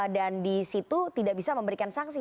dan di situ tidak bisa memberikan sanksi